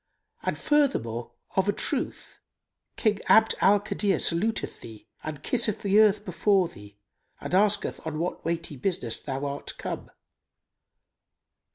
And furthermore, of a truth, King Abd al Kadir saluteth thee and kisseth the earth before thee and asketh on what weighty business thou art come.